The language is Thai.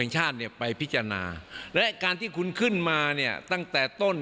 ชาติเนี่ยไปพิจารณาและการที่คุณขึ้นมาเนี่ยตั้งแต่ต้น